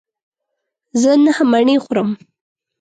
زه نهه مڼې خورم.